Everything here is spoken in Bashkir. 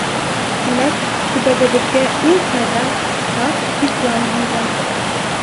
Тимәк, төбәгебеҙгә иң таҙа, саф Ислам ингән.